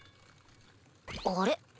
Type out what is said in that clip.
あれ？